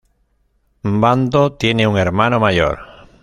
Bando tiene un hermano mayor.